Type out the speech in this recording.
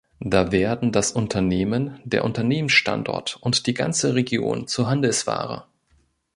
Da werden das Unternehmen, der Unternehmensstandort und die ganze Region zur Handelsware.